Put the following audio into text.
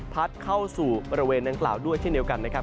เข้าสู่บริเวณดังกล่าวด้วยเช่นเดียวกันนะครับ